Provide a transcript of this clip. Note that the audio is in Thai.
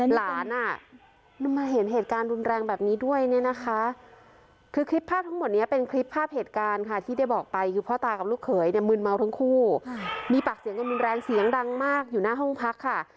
อ่ะมันมาเห็นเหตุการณ์รุนแรงแบบนี้ด้วยเนี่ยนะคะคือคลิปภาพทั้งหมดนี้เป็นคลิปภาพเหตุการณ์ค่ะที่ได้บอกไปคือพ่อตากับลูกเขยเนี่ยมืนเมาทั้งคู่มีปากเสียงกันรุนแรงเสียงดังมากอยู่หน้าห้องพักค่ะ